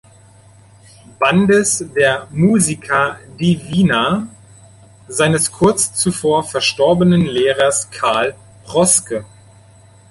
Bandes der "Musica Divina" seines kurz zuvor verstorbenen Lehrers Carl Proske.